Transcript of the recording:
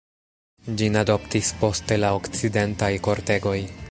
Ĝin adoptis poste la okcidentaj kortegoj.